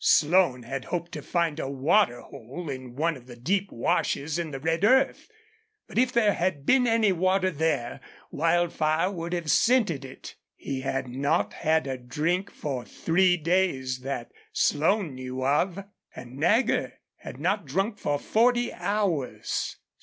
Slone had hoped to find a water hole in one of the deep washes in the red earth, but if there had been any water there Wildfire would have scented it. He had not had a drink for three days that Slone knew of. And Nagger had not drunk for forty hours.